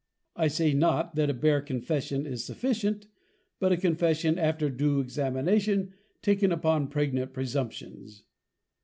I say not, that a bare confession is sufficient, but a Confession after due Examination, taken upon pregnant presumptions.